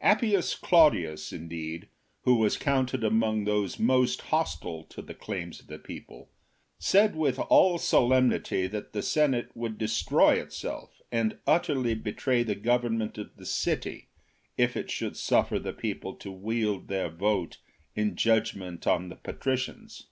Appius Claudius, indeed, who was counted among those most hostile to the claims of the people, said with all solemnity 'that the senate would destroy itself and utterly betray the government of the city, if it should suffer the people to wield their vote in judgement on the patricians.